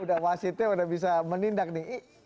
udah wasitnya udah bisa menindak nih